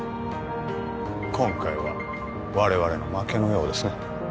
今回は我々の負けのようですね